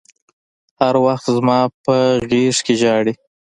هر وخت زما په غېږ کښې ژاړي.